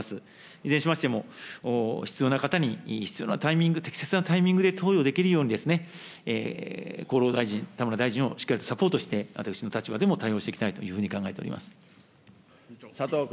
いずれにしましても、必要な方に必要なタイミング、適切なタイミングで投与できるように、厚労大臣、田村大臣をしっかりとサポートして、私の立場でも対応していきたいというふうに考えております。